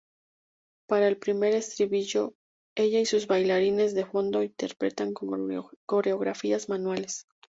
Para el primer estribillo, ella y sus bailarines de fondo interpretan coreografías manuales.